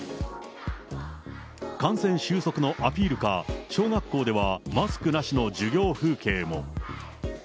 感染収束のアピールか、小学校ではマスクなしの授業風景も。